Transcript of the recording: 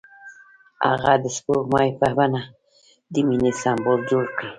هغه د سپوږمۍ په بڼه د مینې سمبول جوړ کړ.